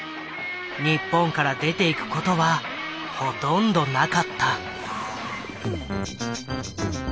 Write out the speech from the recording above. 日本から出ていくことはほとんどなかった。